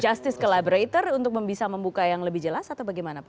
justice collaborator untuk bisa membuka yang lebih jelas atau bagaimana pak